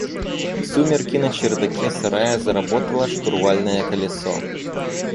В сумерки на чердаке сарая заработало штурвальное колесо.